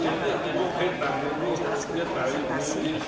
saya juga sudah memiliki masyarakat yang penting dalam bisnis di indonesia